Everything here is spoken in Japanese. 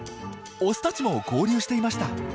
オスたちも合流していました。